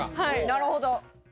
なるほど。